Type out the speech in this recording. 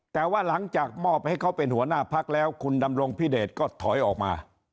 แต่ว่าหลังจากมอบให้เขาเป็นหัวหน้าพักแล้วคุณดำรงพิเดชก็ถอยออกมา